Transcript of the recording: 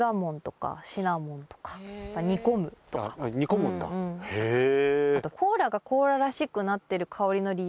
煮込むんだへぇ。